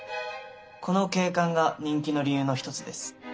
この景観が人気の理由の一つです。